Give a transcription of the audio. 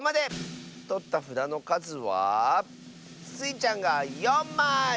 とったふだのかずはスイちゃんが４まい！